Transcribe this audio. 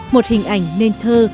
một hình ảnh nên thơ